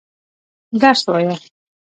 درس وايه.